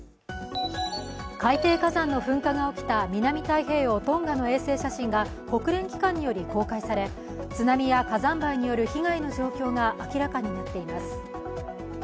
海底火山の噴火が起きた南太平洋トンガの衛星写真が国連機関により公開され津波や火山灰による被害の状況が明らかになっています。